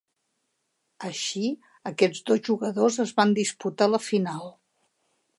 Així, aquests dos jugadors es van disputar la final.